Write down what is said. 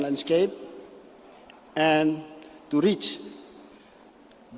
kami akan mencari kesempatan yang lebih cepat